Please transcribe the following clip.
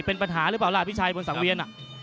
เป็นปัญหาหรือเปล่าล่ะพี่ชัยบนสังเวียน